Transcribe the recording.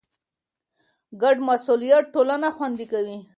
ګډ مسئولیت ټولنه خوندي کوي.